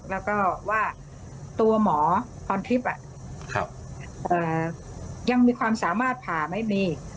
แล้วก็ว่าตัวหมอพรทิพย์ยังมีความสามารถผ่าไม่มี